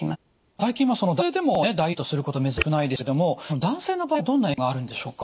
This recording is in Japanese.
最近は男性でもダイエットすること珍しくないですけれども男性の場合はどんな影響があるんでしょうか。